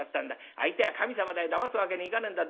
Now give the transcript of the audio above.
相手は神様だよだますわけにいかねえんだ。